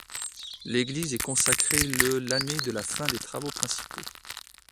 L'église est consacrée le l'année de la fin des travaux principaux.